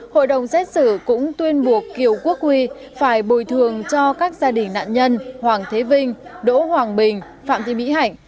hội đồng xét xử cũng tuyên buộc kiều quốc huy phải bồi thường cho các gia đình nạn nhân hoàng thế vinh đỗ hoàng bình phạm thị mỹ hạnh